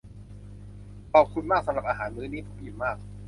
ขอบคุณมากสำหรับอาหารมื้อนี้ ผมอิ่มมาก ๆ